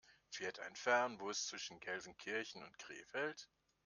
Fährt ein Fernbus zwischen Gelsenkirchen und Krefeld?